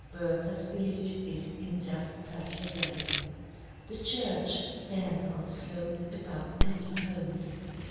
Bertha's village is in just such a valley. The church stands on the slope above the little homes.